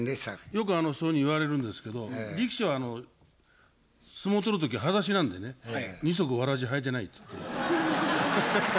よくそういうふうに言われるんですけど力士は相撲取る時はだしなんでね二足わらじ履いてないつって。